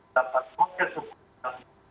dapat makin suku